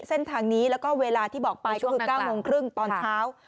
เส้นทางนี้และเวลาที่บอกไป๙โมงเกิงตอนเช้า